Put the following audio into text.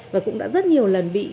và cũng đã rất nhiều lần bị